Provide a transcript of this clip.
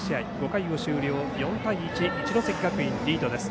５回を終了、４対１一関学院リードです。